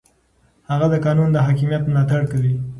هغه د قانون د حاکمیت ملاتړ کوي.